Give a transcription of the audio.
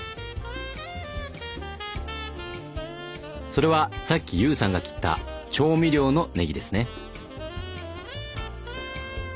それはさっき悠さんが切った「調味料」のねぎですね。